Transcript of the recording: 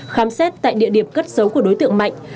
khám xét tại địa điểm cất dấu của đối tượng mạnh